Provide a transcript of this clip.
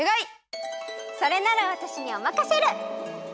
それならわたしにおまかシェル！